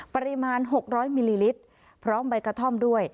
ปริมาณ๖๐๐มิลลิลิตรพร้อมใบกระท่อมด้วย